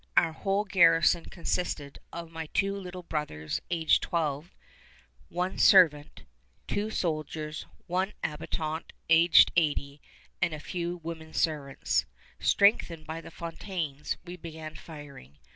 Our whole garrison consisted of my two little brothers aged about twelve, one servant, two soldiers, one old habitant aged eighty, and a few women servants. Strengthened by the Fontaines, we began firing.